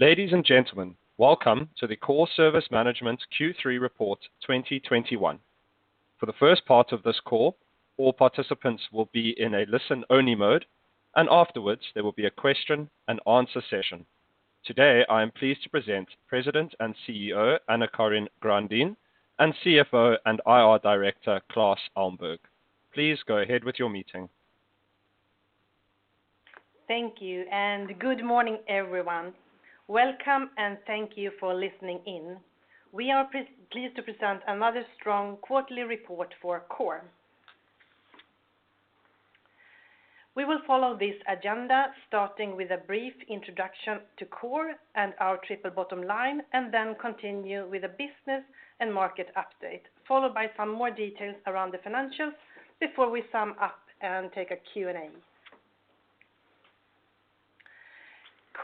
Ladies and gentlemen, welcome to the Coor Service Management Q3 2021 Report. For the first part of this call, all participants will be in a listen-only mode, and afterwards, there will be a question-and-answer session. Today, I am pleased to present President and CEO AnnaCarin Grandin and CFO and IR Director Klas Elmberg. Please go ahead with your meeting. Thank you, and good morning, everyone. Welcome and thank you for listening in. We are pleased to present another strong quarterly report for Coor. We will follow this agenda, starting with a brief introduction to Coor and our triple bottom line, and then continue with a business and market update, followed by some more details around the financials before we sum up and take a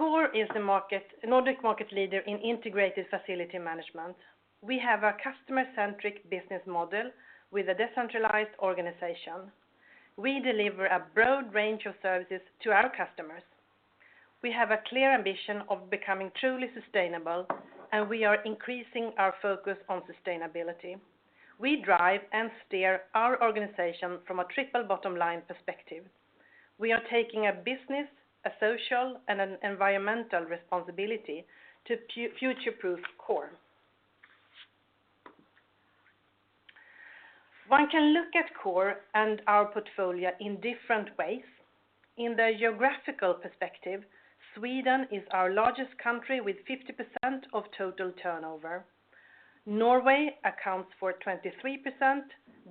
Q&A. Coor is the Nordic market leader in integrated facility management. We have a customer-centric business model with a decentralized organization. We deliver a broad range of services to our customers. We have a clear ambition of becoming truly sustainable, and we are increasing our focus on sustainability. We drive and steer our organization from a triple bottom line perspective. We are taking a business, a social, and an environmental responsibility to future-proof Coor. One can look at Coor and our portfolio in different ways. In the geographical perspective, Sweden is our largest country with 50% of total turnover. Norway accounts for 23%,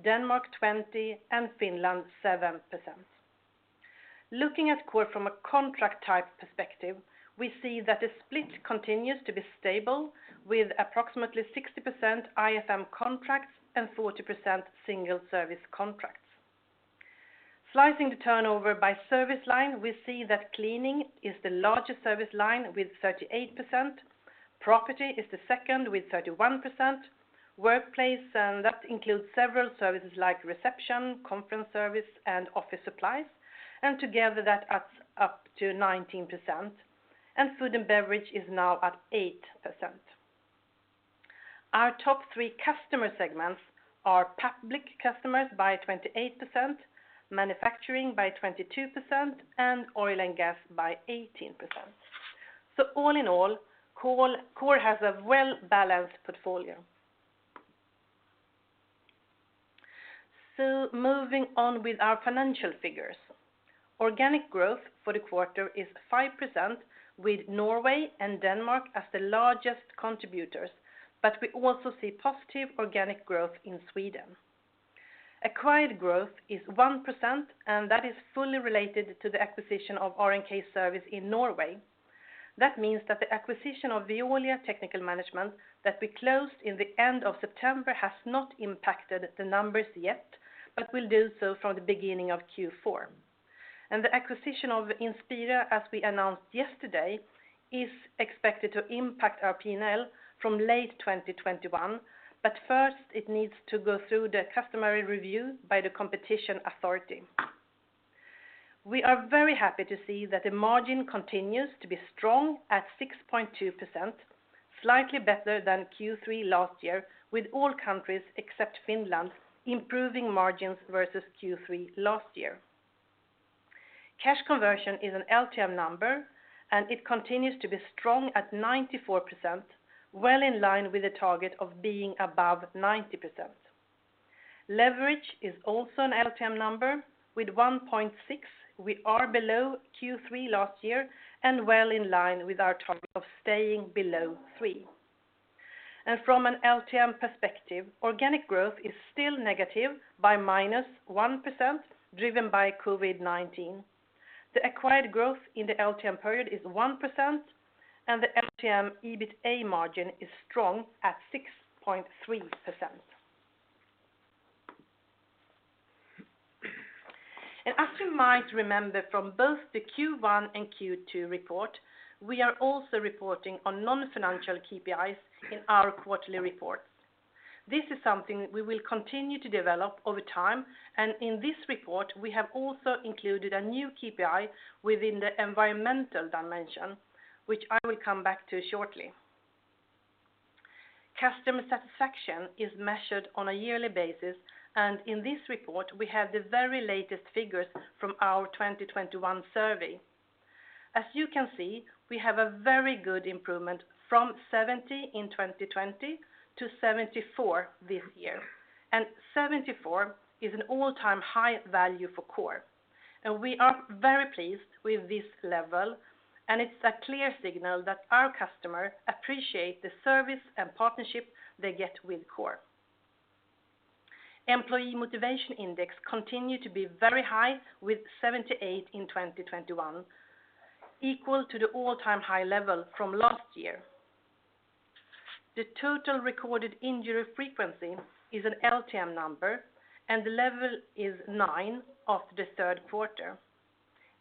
Denmark 20%, and Finland 7%. Looking at Coor from a contract type perspective, we see that the split continues to be stable with approximately 60% IFM contracts and 40% single service contracts. Slicing the turnover by service line, we see that cleaning is the largest service line with 38%. Property is the second with 31%. Workplace, and that includes several services like reception, conference service, and office supplies, and together that adds up to 19%. Food and beverage is now at 8%. Our top three customer segments are public customers by 28%, manufacturing by 22%, and oil and gas by 18%. All in all, Coor has a well-balanced portfolio. Moving on with our financial figures. Organic growth for the quarter is 5%, with Norway and Denmark as the largest contributors, but we also see positive organic growth in Sweden. Acquired growth is 1%, and that is fully related to the acquisition of R & K Service in Norway. That means that the acquisition of Veolia Technical Management that we closed in the end of September has not impacted the numbers yet but will do so from the beginning of Q4. The acquisition of Inspira, as we announced yesterday, is expected to impact our P&L from late 2021, but first it needs to go through the customary review by the competition authority. We are very happy to see that the margin continues to be strong at 6.2%, slightly better than Q3 last year, with all countries except Finland improving margins versus Q3 last year. Cash conversion is an LTM number, and it continues to be strong at 94%, well in line with the target of being above 90%. Leverage is also an LTM number with one point six, we are below Q3 last year and well in line with our target of staying below three. From an LTM perspective, organic growth is still negative by -1%, driven by COVID-19. The acquired growth in the LTM period is 1%, and the LTM EBITA margin is strong at 6.3%. As you might remember from both the Q1 and Q2 report, we are also reporting on non-financial KPIs in our quarterly reports. This is something we will continue to develop over time, and in this report, we have also included a new KPI within the environmental dimension, which I will come back to shortly. Customer satisfaction is measured on a yearly basis, and in this report, we have the very latest figures from our 2021 survey. As you can see, we have a very good improvement from 70 in 2020 to 74 this year. 74 is an all-time high value for Coor. We are very pleased with this level, and it's a clear signal that our customers appreciate the service and partnership they get with Coor. Employee motivation index continue to be very high with 78 in 2021, equal to the all-time high level from last year. The total recorded injury frequency is an LTM number, and the level is nine after the third quarter.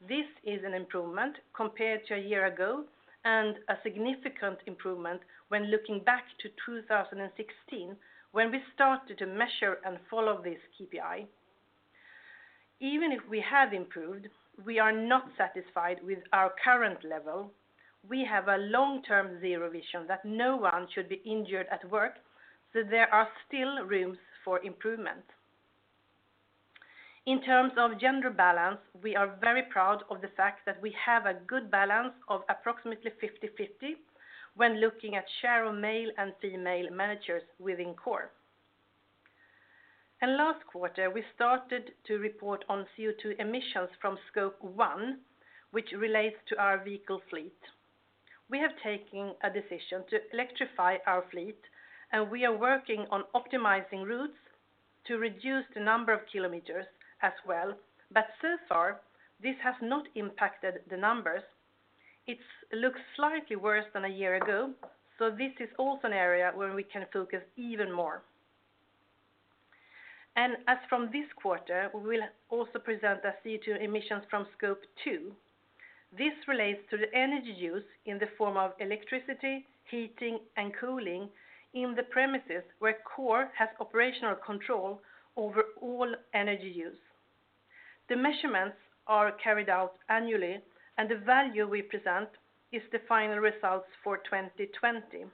This is an improvement compared to a year ago and a significant improvement when looking back to 2016 when we started to measure and follow this KPI. Even if we have improved, we are not satisfied with our current level. We have a long-term zero vision that no one should be injured at work, so there are still rooms for improvement. In terms of gender balance, we are very proud of the fact that we have a good balance of approximately 50/50 when looking at share of male and female managers within Coor. Last quarter, we started to report on CO2 emissions from Scope 1, which relates to our vehicle fleet. We have taken a decision to electrify our fleet, and we are working on optimizing routes to reduce the number of kilometers as well. So far, this has not impacted the numbers. It looks slightly worse than a year ago, so this is also an area where we can focus even more. As from this quarter, we will also present the CO2 emissions from Scope 2. This relates to the energy use in the form of electricity, heating, and cooling in the premises where Coor has operational control over all energy use. The measurements are carried out annually, and the value we present is the final results for 2020.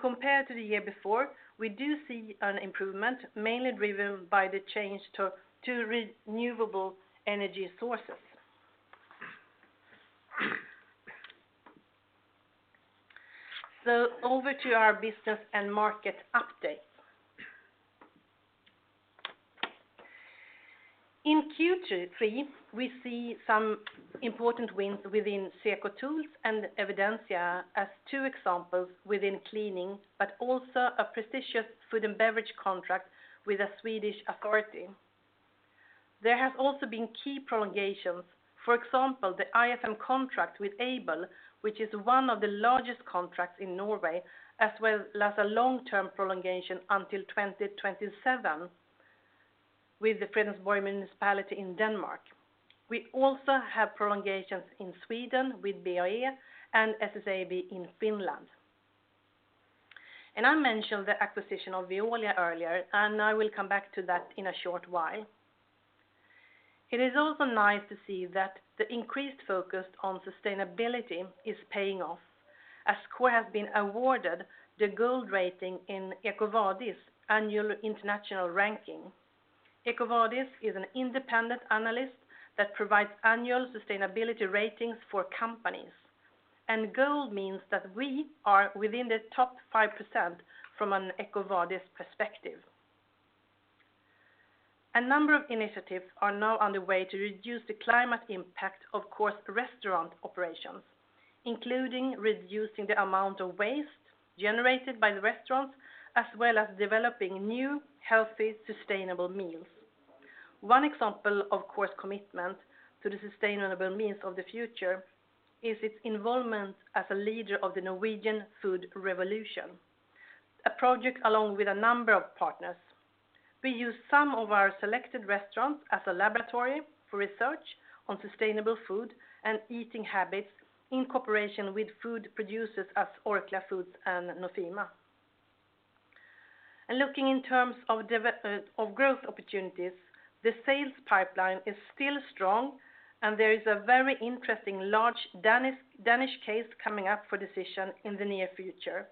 Compared to the year before, we do see an improvement, mainly driven by the change to renewable energy sources. Over to our business and market update. In Q3, we see some important wins within Seco Tools and Evidensia as two examples within cleaning, but also a prestigious food and beverage contract with a Swedish authority. There has also been key prolongations. For example, the IFM contract with Aibel, which is one of the largest contracts in Norway, as well as a long-term prolongation until 2027 with the Fredensborg Municipality in Denmark. We also have prolongations in Sweden with [inaudible] and SSAB in Finland. I mentioned the acquisition of Veolia earlier, and I will come back to that in a short while. It is also nice to see that the increased focus on sustainability is paying off, as Coor has been awarded the Gold rating in EcoVadis Annual International Ranking. EcoVadis is an independent analyst that provides annual sustainability ratings for companies. Gold means that we are within the top 5% from an EcoVadis perspective. A number of initiatives are now on the way to reduce the climate impact of Coor's restaurant operations, including reducing the amount of waste generated by the restaurants, as well as developing new, healthy, sustainable meals. One example of Coor's commitment to the sustainable means of the future is its involvement as a leader of the Norwegian Food Revolution, a project along with a number of partners. We use some of our selected restaurants as a laboratory for research on sustainable food and eating habits in cooperation with food producers as Orkla Foods and Nofima. Looking in terms of of growth opportunities, the sales pipeline is still strong, and there is a very interesting large Danish case coming up for decision in the near future.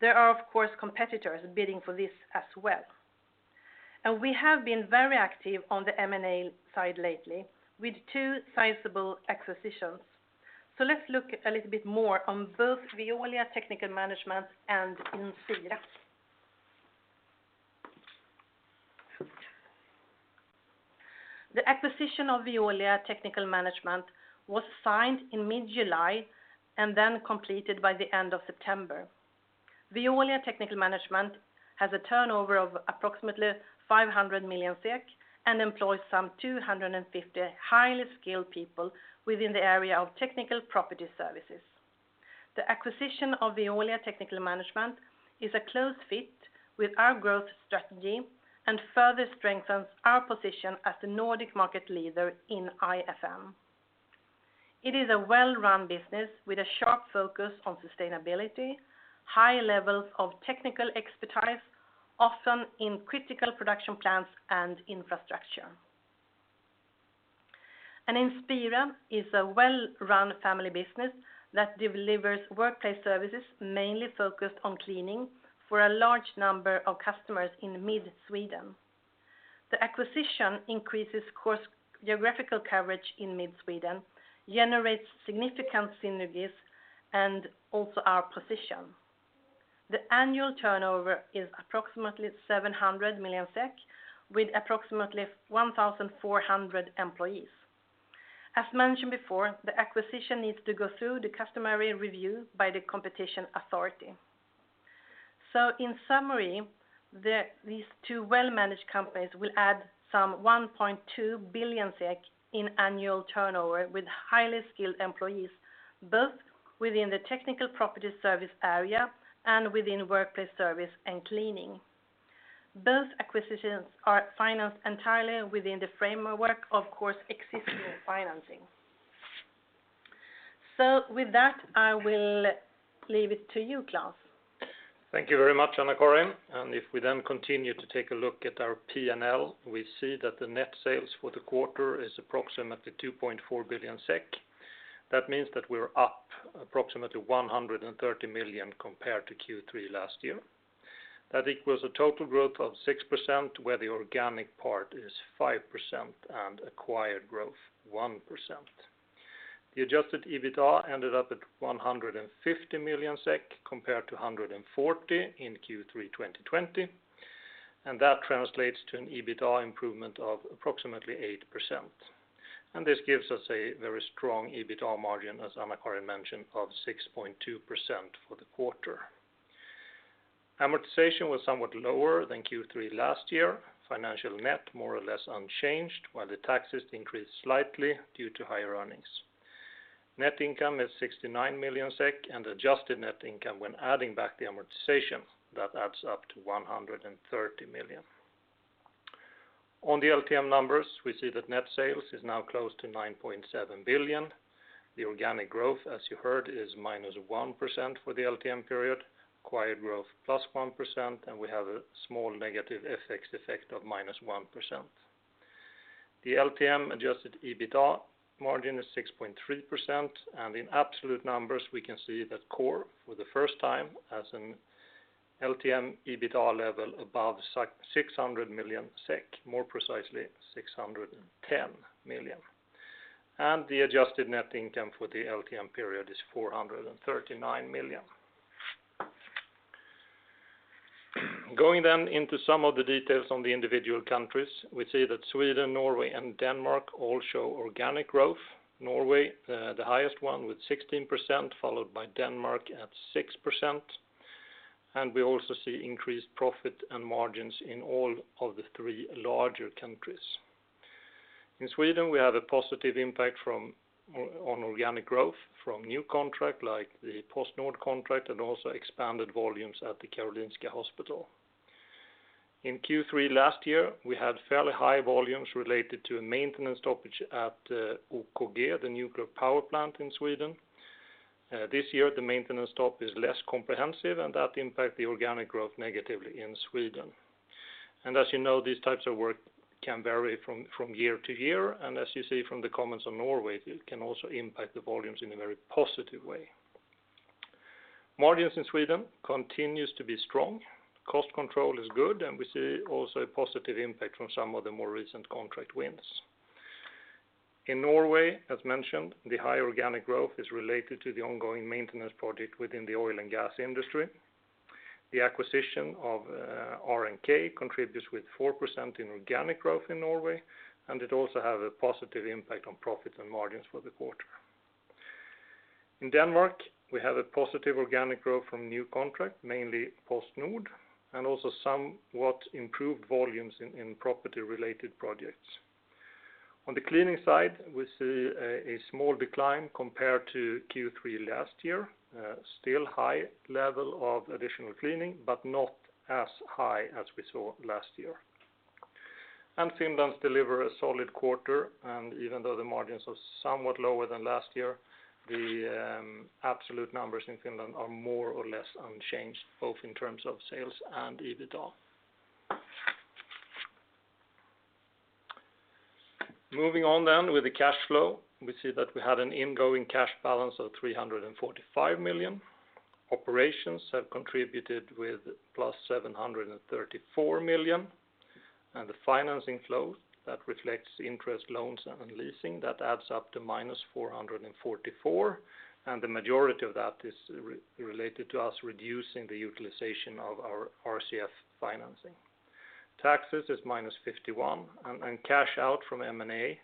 There are, of course, competitors bidding for this as well. We have been very active on the M&A side lately with two sizable acquisitions. Let's look a little bit more on both Veolia Technical Management and Inspira. The acquisition of Veolia Technical Management was signed in mid-July and then completed by the end of September. Veolia Technical Management has a turnover of approximately 500 million SEK and employs some 250 highly skilled people within the area of technical property services. The acquisition of Veolia Technical Management is a close fit with our growth strategy and further strengthens our position as the Nordic market leader in IFM. It is a well-run business with a sharp focus on sustainability, high levels of technical expertise, often in critical production plants and infrastructure. Inspira is a well-run family business that delivers workplace services mainly focused on cleaning for a large number of customers in mid-Sweden. The acquisition increases Coor's geographical coverage in mid-Sweden, generates significant synergies and also our position. The annual turnover is approximately 700 million SEK with approximately 1,400 employees. As mentioned before, the acquisition needs to go through the customary review by the competition authority. In summary, these two well-managed companies will add some 1.2 billion SEK in annual turnover with highly skilled employees, both within the technical property service area and within workplace service and cleaning. Both acquisitions are financed entirely within the framework of Coor's existing financing. With that, I will leave it to you, Klas. Thank you very much, AnnaCarin. If we then continue to take a look at our P&L, we see that the net sales for the quarter is approximately 2.4 billion SEK. That means that we're up approximately 130 million compared to Q3 last year. That equals a total growth of 6%, where the organic part is 5% and acquired growth 1%. The adjusted EBITDA ended up at 150 million SEK compared to 140 million in Q3 2020, and that translates to an EBITDA improvement of approximately 8%. This gives us a very strong EBITDA margin, as AnnaCarin mentioned, of 6.2% for the quarter. Amortization was somewhat lower than Q3 last year. Financial net more or less unchanged, while the taxes increased slightly due to higher earnings. Net income is 69 million SEK, and adjusted net income when adding back the amortization, that adds up to 130 million. On the LTM numbers, we see that net sales is now close to 9.7 billion. The organic growth, as you heard, is -1% for the LTM period, acquired growth +1%, and we have a small negative FX effect of -1%. The LTM adjusted EBITDA margin is 6.3%, and in absolute numbers, we can see that Coor for the first time has an LTM EBITDA level above 600 million SEK, more precisely 610 million. The adjusted net income for the LTM period is 439 million. Going then into some of the details on the individual countries, we see that Sweden, Norway, and Denmark all show organic growth. Norway, the highest one with 16%, followed by Denmark at 6%. We also see increased profit and margins in all of the three larger countries. In Sweden, we have a positive impact on organic growth from new contract like the PostNord contract and also expanded volumes at the Karolinska Hospital. In Q3 last year, we had fairly high volumes related to a maintenance stoppage at, OKG, the nuclear power plant in Sweden. This year, the maintenance stop is less comprehensive, and that impact the organic growth negatively in Sweden. As you know, these types of work can vary from year to year, and as you see from the comments on Norway, it can also impact the volumes in a very positive way. Margins in Sweden continues to be strong. Cost control is good, and we see also a positive impact from some of the more recent contract wins. In Norway, as mentioned, the high organic growth is related to the ongoing maintenance project within the oil and gas industry. The acquisition of R & K contributes with 4% in organic growth in Norway, and it also have a positive impact on profits and margins for the quarter. In Denmark, we have a positive organic growth from new contract, mainly PostNord, and also somewhat improved volumes in property-related projects. On the cleaning side, we see a small decline compared to Q3 last year. Still high level of additional cleaning, but not as high as we saw last year. Finland deliver a solid quarter, and even though the margins are somewhat lower than last year, the absolute numbers in Finland are more or less unchanged, both in terms of sales and EBITDA. Moving on then with the cash flow, we see that we had an ingoing cash balance of 345 million. Operations have contributed with +734 million, and the financing flow that reflects interest loans and leasing, that adds up to -444 million, and the majority of that is related to us reducing the utilization of our RCF financing. Taxes is -51 million, and cash out from M&A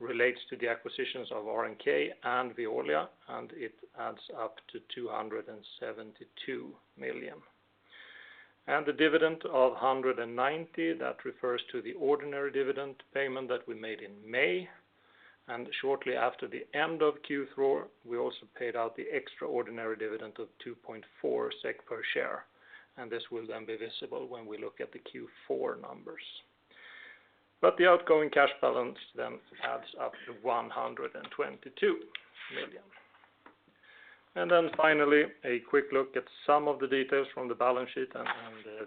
relates to the acquisitions of R&K and Veolia, and it adds up to 272 million. The dividend of 190 million, that refers to the ordinary dividend payment that we made in May. Shortly after the end of Q4, we also paid out the extraordinary dividend of 2.4 SEK per share, and this will then be visible when we look at the Q4 numbers. The outgoing cash balance then adds up to 122 million. Finally, a quick look at some of the details from the balance sheet and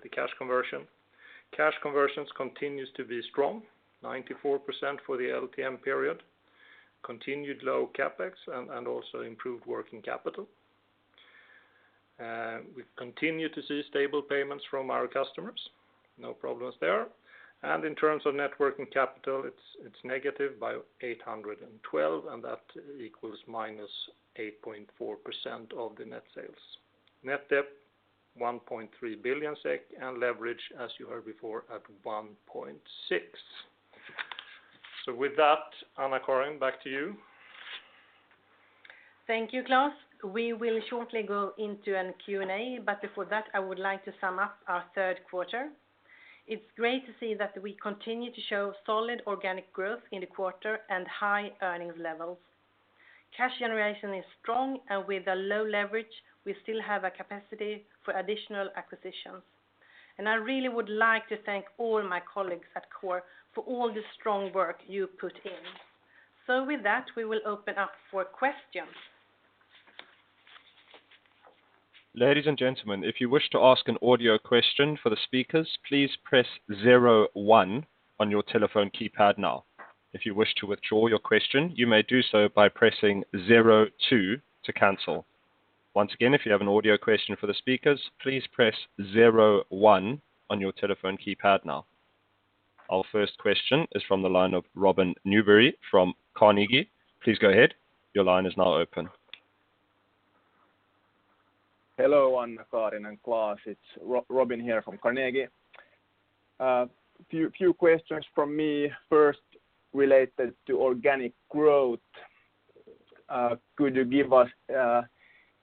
the cash conversion. Cash conversion continues to be strong, 94% for the LTM period, continued low CapEx and also improved working capital. We continue to see stable payments from our customers, no problems there. In terms of net working capital, it's negative by 812, and that equals -8.4% of the net sales. Net debt, 1.3 billion SEK, and leverage, as you heard before, at one point six. With that, AnnaCarin, back to you. Thank you, Klas. We will shortly go into a Q&A, but before that, I would like to sum up our third quarter. It's great to see that we continue to show solid organic growth in the quarter and high earnings levels. Cash generation is strong, and with a low leverage, we still have a capacity for additional acquisitions. I really would like to thank all my colleagues at Coor for all the strong work you put in. With that, we will open up for questions. Ladies and gentlemen if you wish to ask an audio question for the speakers please press zero one on your telephone keypad now. If you wish to withdraw your question you may do so by pressing zero two to cancel. Once again if you have an audio question for our speakers please press zero one on your telephone keypad now. Our first question is from the line of Robin Nyberg from Carnegie. Please go ahead. Your line is now open. Hello, AnnaCarin and Klas. It's Robin here from Carnegie. Few questions from me, first related to organic growth. Could you give us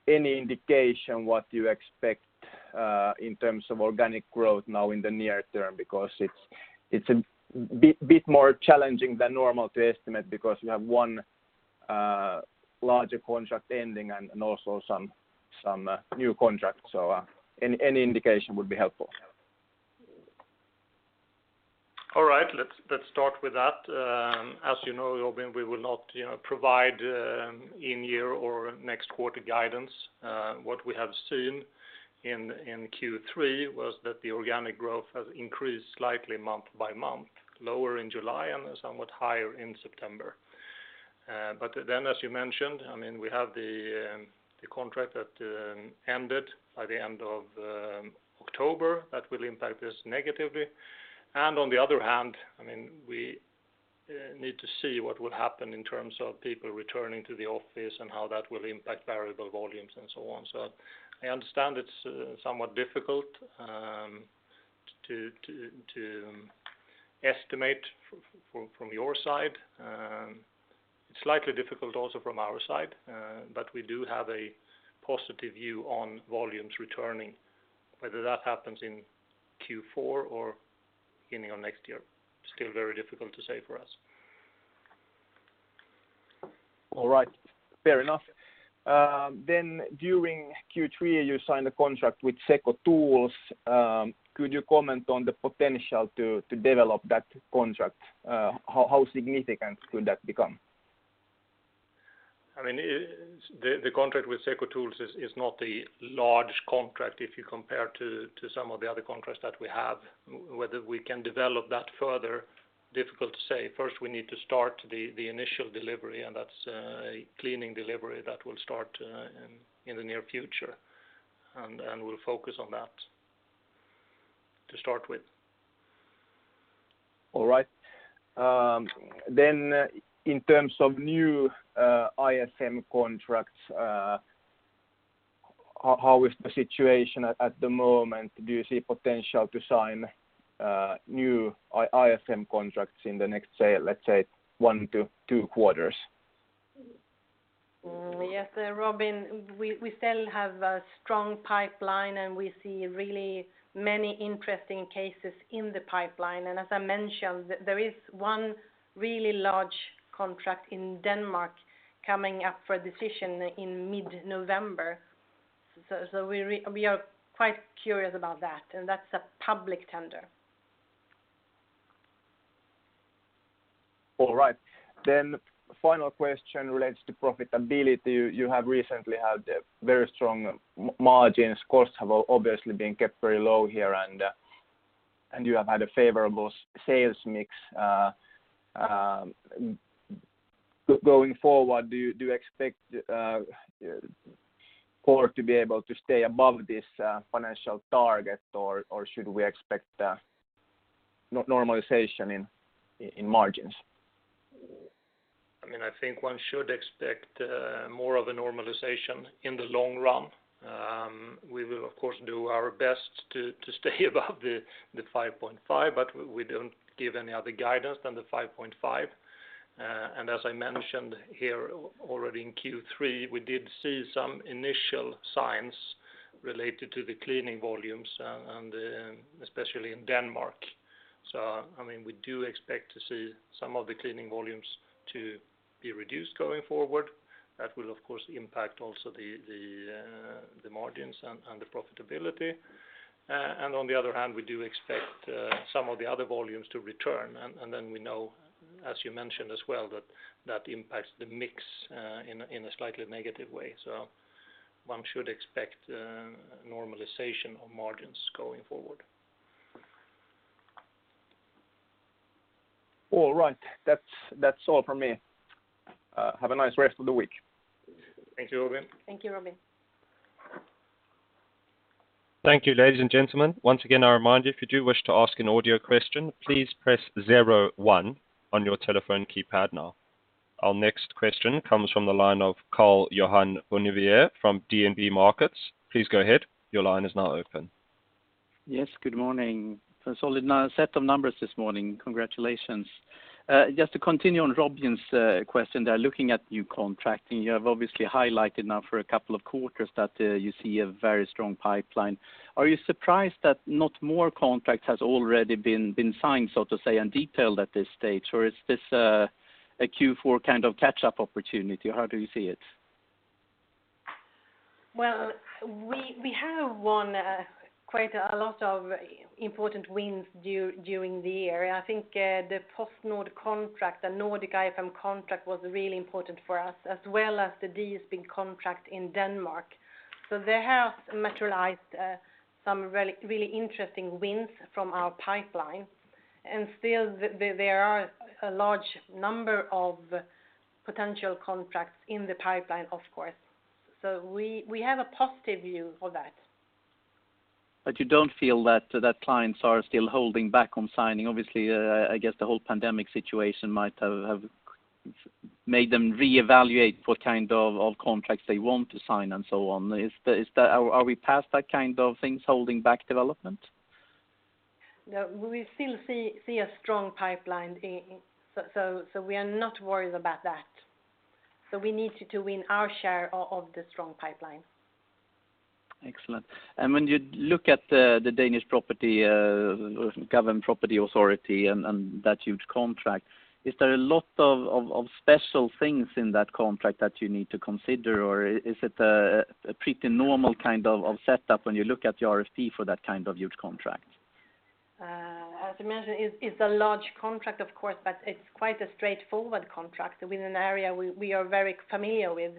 any indication what you expect in terms of organic growth now in the near term? Because it's a bit more challenging than normal to estimate because you have one larger contract ending and also some new contracts. Any indication would be helpful. All right. Let's start with that. As you know, Robin, we will not, you know, provide, in year or next quarter guidance. What we have seen in Q3 was that the organic growth has increased slightly month by month, lower in July and somewhat higher in September. Then as you mentioned, I mean, we have the contract that ended by the end of October that will impact us negatively. On the other hand, I mean, we need to see what will happen in terms of people returning to the office and how that will impact variable volumes and so on. I understand it's somewhat difficult to estimate from your side. It's slightly difficult also from our side, but we do have a positive view on volumes returning. Whether that happens in Q4 or beginning of next year, still very difficult to say for us. All right. Fair enough. During Q3, you signed a contract with Seco Tools. Could you comment on the potential to develop that contract? How significant could that become? I mean, the contract with Seco Tools is not a large contract if you compare to some of the other contracts that we have. Whether we can develop that further, difficult to say. First, we need to start the initial delivery, and that's a cleaning delivery that will start in the near future, and we'll focus on that to start with. All right. In terms of new IFM contracts, how is the situation at the moment? Do you see potential to sign new IFM contracts in the next, say, let's say one to two quarters? Yes, Robin, we still have a strong pipeline, and we see really many interesting cases in the pipeline. As I mentioned, there is one really large contract in Denmark coming up for a decision in mid-November. We are quite curious about that, and that's a public tender. All right. Final question relates to profitability. You have recently had very strong margins. Costs have obviously been kept very low here and you have had a favorable sales mix. Going forward, do you expect Coor to be able to stay above this financial target, or should we expect normalization in margins? I mean, I think one should expect more of a normalization in the long run. We will, of course, do our best to stay above the 5.5%, but we don't give any other guidance than the 5.5%. As I mentioned here already in Q3, we did see some initial signs related to the cleaning volumes, and especially in Denmark. I mean, we do expect to see some of the cleaning volumes to be reduced going forward. That will, of course, impact also the margins and the profitability. On the other hand, we do expect some of the other volumes to return. Then we know, as you mentioned as well, that that impacts the mix in a slightly negative way. One should expect normalization of margins going forward. All right. That's all from me. Have a nice rest of the week. Thank you, Robin. Thank you, Robin. Thank you, ladies and gentlemen. Once again, I remind you, if you do wish to ask an audio question, please press zero one on your telephone keypad now. Our next question comes from the line of Karl-Johan Bonnevier from DNB Markets. Please go ahead. Your line is now open. Yes, good morning. A solid set of numbers this morning. Congratulations. Just to continue on Robin's question there, looking at new contracting, you have obviously highlighted now for a couple of quarters that you see a very strong pipeline. Are you surprised that not more contracts has already been signed, so to say, and detailed at this stage, or is this a Q4 kind of catch-up opportunity? How do you see it? Well, we have won quite a lot of important wins during the year. I think the PostNord contract, the Nordic IFM contract was really important for us as well as the DSPIN contract in Denmark. They have materialized some really, really interesting wins from our pipeline. Still there are a large number of potential contracts in the pipeline, of course. We have a positive view of that. You don't feel that clients are still holding back on signing? Obviously, I guess the whole pandemic situation might have made them reevaluate what kind of contracts they want to sign and so on. Are we past that kind of things holding back development? No. We still see a strong pipeline. We are not worried about that. We need to win our share of the strong pipeline. Excellent. When you look at the Danish Property and Goverment Property Authority and that huge contract, is there a lot of special things in that contract that you need to consider? Or is it a pretty normal kind of setup when you look at the RFP for that kind of huge contract? As I mentioned, it's a large contract, of course, but it's quite a straightforward contract within an area we are very familiar with.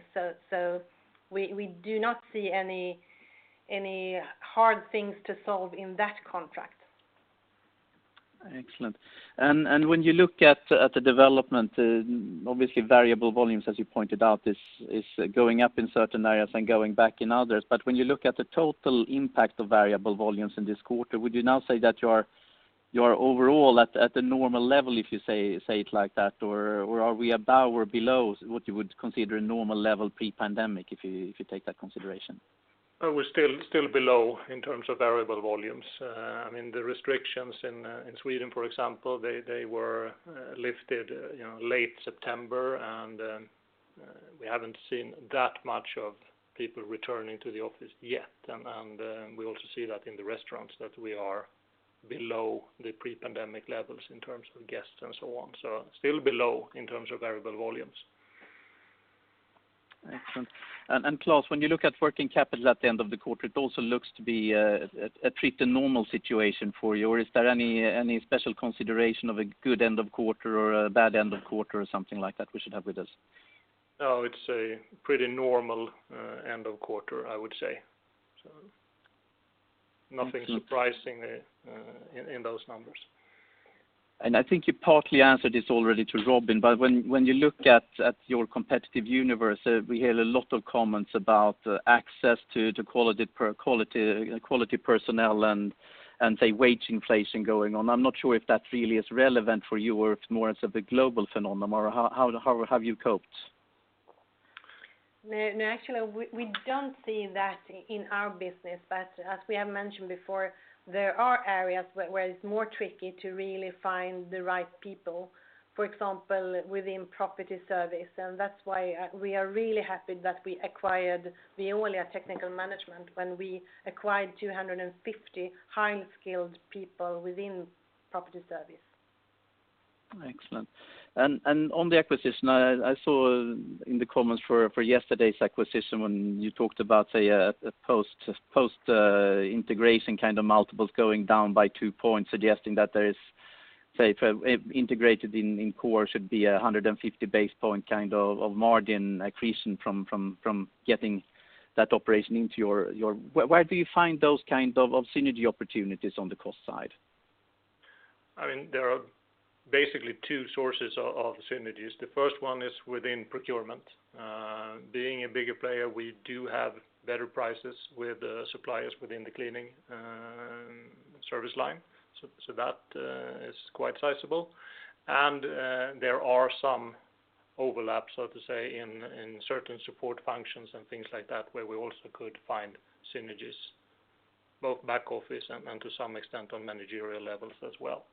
We do not see any hard things to solve in that contract. Excellent. When you look at the development, obviously variable volumes, as you pointed out, is going up in certain areas and going back in others. When you look at the total impact of variable volumes in this quarter, would you now say that you are overall at a normal level, if you say it like that? Are we above or below what you would consider a normal level pre-pandemic, if you take that consideration? We're still below in terms of variable volumes. I mean, the restrictions in Sweden, for example, they were lifted, you know, late September. We haven't seen that much of people returning to the office yet. We also see that in the restaurants that we are below the pre-pandemic levels in terms of guests and so on. Still below in terms of variable volumes. Excellent. Klas, when you look at working capital at the end of the quarter, it also looks to be a pretty normal situation for you. Or is there any special consideration of a good end of quarter or a bad end of quarter or something like that we should have with us? No, it's a pretty normal end of quarter, I would say. Nothing surprising in those numbers. I think you partly answered this already to Robin, but when you look at your competitive universe, we hear a lot of comments about access to quality personnel and, say, wage inflation going on. I'm not sure if that really is relevant for you or if more it's of a global phenomenon, or how have you coped? No, no. Actually, we don't see that in our business. As we have mentioned before, there are areas where it's more tricky to really find the right people, for example, within property service. That's why we are really happy that we acquired Veolia Technical Management when we acquired 250 highly skilled people within property service. Excellent. On the acquisition, I saw in the comments for yesterday's acquisition when you talked about, say, a post-integration kind of multiples going down by two points, suggesting that there is, say, if integrated in core should be a 150 basis point kind of margin accretion from getting that operation into your. Where do you find those kind of synergy opportunities on the cost side? I mean, there are basically two sources of synergies. The first one is within procurement. Being a bigger player, we do have better prices with suppliers within the cleaning service line. So that is quite sizable. There are some overlaps, so to say, in certain support functions and things like that, where we also could find synergies, both back office and to some extent on managerial levels as well.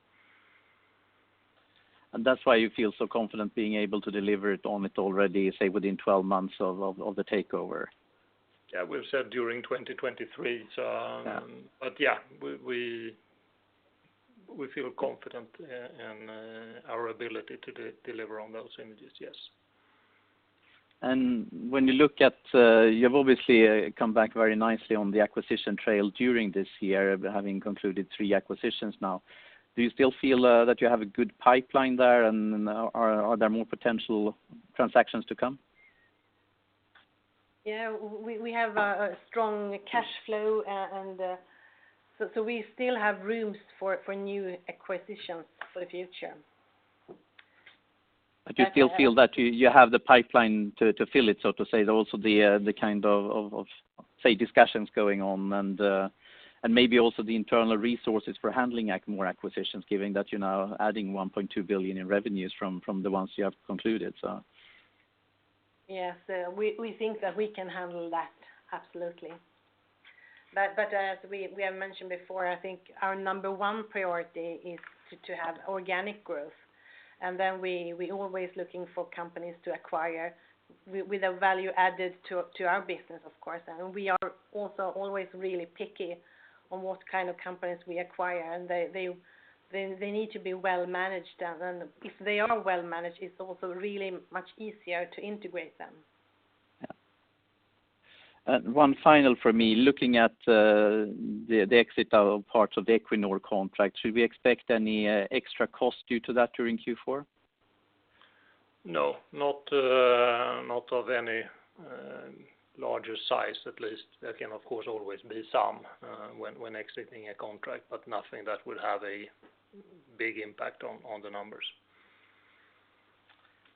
That's why you feel so confident being able to deliver it on it already, say, within 12 months of the takeover. Yeah, we've said during 2023. Yeah. Yeah, we feel confident in our ability to deliver on those synergies, yes. When you look at, you've obviously come back very nicely on the acquisition trail during this year, having concluded three acquisitions now. Do you still feel that you have a good pipeline there, and are there more potential transactions to come? Yeah. We have a strong cash flow. So we still have room for new acquisitions for the future. You still feel that you have the pipeline to fill it, so to say. There's also the kind of, say, discussions going on and maybe also the internal resources for handling more acquisitions, given that you're now adding 1.2 billion in revenues from the ones you have concluded, so. Yes. We think that we can handle that, absolutely. As we have mentioned before, I think our number one priority is to have organic growth, and then we always looking for companies to acquire with a value added to our business, of course. We are also always really picky on what kind of companies we acquire. They need to be well-managed. If they are well-managed, it's also really much easier to integrate them. Yeah. One final from me. Looking at the exit of parts of the Equinor contract, should we expect any extra cost due to that during Q4? No, not of any larger size at least. There can of course always be some when exiting a contract, but nothing that will have a big impact on the numbers.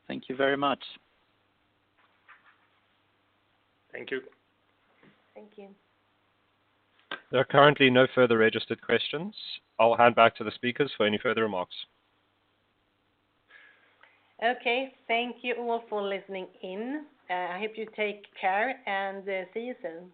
Thank you very much. Thank you. Thank you. There are currently no further registered questions. I'll hand back to the speakers for any further remarks. Okay. Thank you all for listening in. I hope you take care, and see you soon.